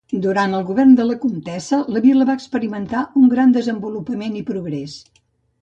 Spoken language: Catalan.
Durant el govern de la comtessa la vila va experimentar un gran desenvolupament i progrés.